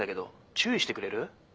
☎注意してくれる？